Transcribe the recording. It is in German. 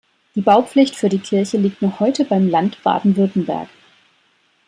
Die Baupflicht für die Kirche liegt noch heute beim Land Baden-Württemberg.